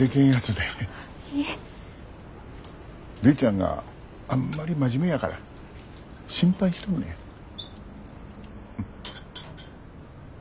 るいちゃんがあんまり真面目やから心配しとんのや。